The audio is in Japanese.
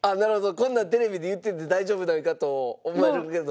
こんなんテレビで言ってて大丈夫なんかと思われるけど。